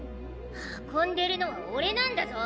運んでるのはオレなんだゾ！